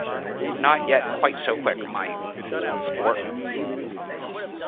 Not yet quite so quick, my old sport.